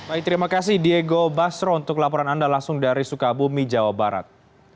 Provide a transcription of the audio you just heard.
baik terima kasih diego basro untuk laporan anda langsung dari sukabumi jawa barat